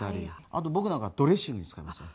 あと僕なんかドレッシングに使いますよ。